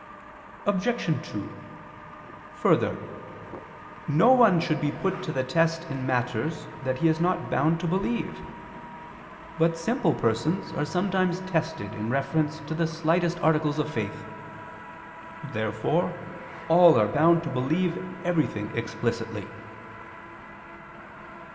Obj. 2: Further, no one should be put to test in matters that he is not bound to believe. But simple persons are sometimes tested in reference to the slightest articles of faith. Therefore all are bound to believe everything explicitly.